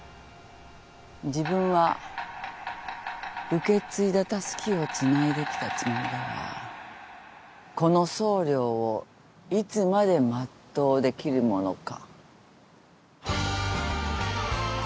自分は受け継いだたすきをつないできたつもりだがこの総領をいつまで全うできるものか。